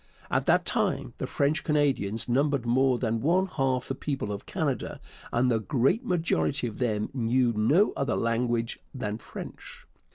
At that time the French Canadians numbered more than one half the people of Canada, and the great majority of them knew no other language than French.